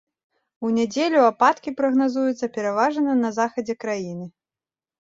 У нядзелю ападкі прагназуюцца пераважна на захадзе краіны.